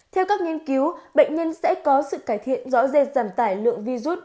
theo các nghiên cứu bệnh nhân sẽ có sự cải thiện rõ rệt giảm tải lượng virus